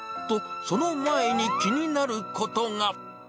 と、その前に気になることが。